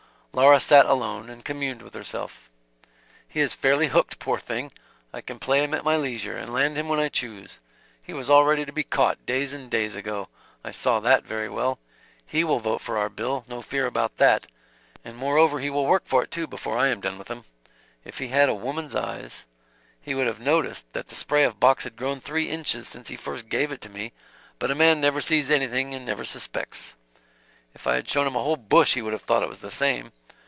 Laura sat alone and communed with herself; "He is fairly hooked, poor thing. I can play him at my leisure and land him when I choose. He was all ready to be caught, days and days ago I saw that, very well. He will vote for our bill no fear about that; and moreover he will work for it, too, before I am done with him. If he had a woman's eyes he would have noticed that the spray of box had grown three inches since he first gave it to me, but a man never sees anything and never suspects. If I had shown him a whole bush he would have thought it was the same.